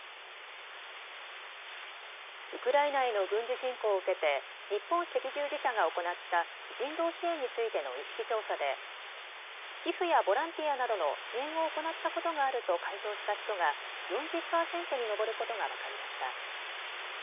ウクライナへの軍事侵攻を受けて日本赤十字社が行った人道支援についての意識調査で寄付やボランティアなどの支援を行ったことがあると回答した人が４０％に上ることが分かりました。